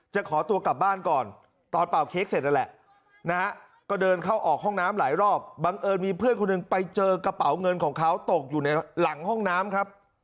ขอตัวกลับบ้านก่อนตอนเป่าเค้กเสร็จนั่นแหละนะฮะก็เดินเข้าออกห้องน้ำหลายรอบบังเอิญมีเพื่อนคนหนึ่งไปเจอกระเป๋าเงินของเขาตกอยู่ในหลังห้องน้ำครับ